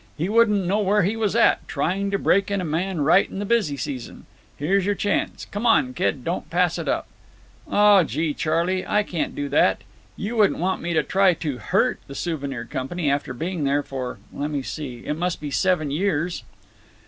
He wouldn't know where he was at—trying to break in a man right in the busy season. Here's your chance. Come on, kid; don't pass it up." "Oh gee, Charley, I can't do that. You wouldn't want me to try to hurt the Souvenir Company after being there for—lemme see, it must be seven years."